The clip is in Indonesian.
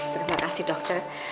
terima kasih dokter